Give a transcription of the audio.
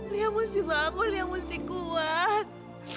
lia mesti bangun lia mesti kuat